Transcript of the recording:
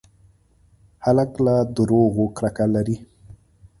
هلک له دروغو کرکه لري.